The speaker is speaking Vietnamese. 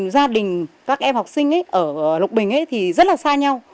gia đình các em học sinh ở lục bình thì rất là xa nhau